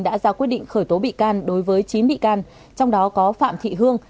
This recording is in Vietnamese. đã ra quyết định khởi tố bị can đối với chín bị can trong đó có phạm thị hương